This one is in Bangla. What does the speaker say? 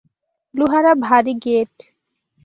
লোহারা ভারি গেট।